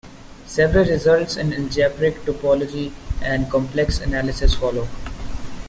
Several results in algebraic topology and complex analysis follow.